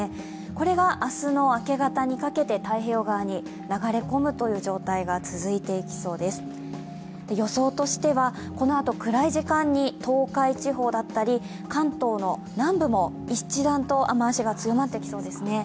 これが明日の明け方にかけて太平洋側に流れ込むという状態が続きそうです予想としては、このあと暗い時間に東海地方だったり、関東の南部も一段と雨足が強まってきそうですね。